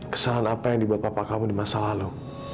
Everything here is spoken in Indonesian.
kesalahan apa yang dibuat bapak kamu di masa lalu